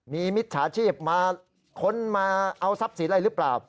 มีมิจฉาชีพมาค้นมาเอาทรัพย์สินอะไรหรือเปล่า